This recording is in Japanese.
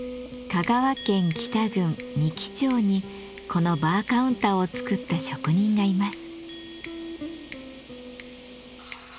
香川県木田郡三木町にこのバーカウンターを作った職人がいます。